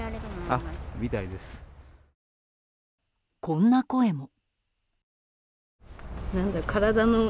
こんな声も。